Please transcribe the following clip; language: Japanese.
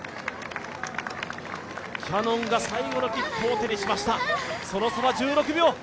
キヤノンが最後の切符を手にしました、その差は１６秒。